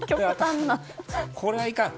これはいかん。